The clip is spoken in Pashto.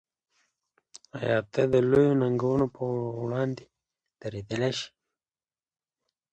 آیا ته د لویو ننګونو پر وړاندې درېدلی شې؟